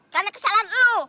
karena kesalahan lu